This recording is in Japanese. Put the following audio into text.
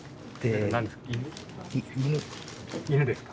犬ですか？